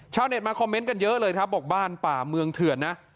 ชาวเน็ตมาคอมเมนต์กันเยอะเลยครับบอกบ้านป่าเมืองเถื่อนนะ